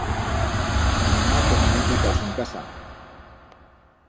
Manyana tenem envitaus en casa.